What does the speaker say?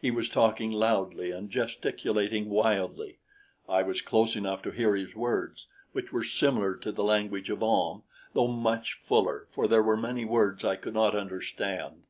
He was talking loudly and gesticulating wildly. I was close enough to hear his words, which were similar to the language of Ahm, though much fuller, for there were many words I could not understand.